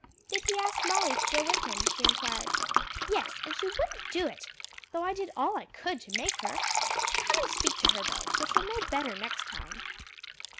"Did he ask Molly to go with him?" she inquired. "Yes, and she wouldn't do it; though I did all I could to make her. Come and speak to her though, so she'll know better next time."